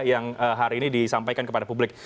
yang hari ini disampaikan kepada publik